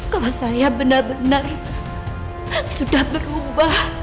kok saya benar benar sudah berubah